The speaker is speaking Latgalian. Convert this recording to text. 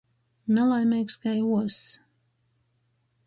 Nalaimeigs kai uozs.